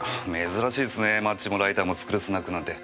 珍しいですねマッチもライターも作るスナックなんて。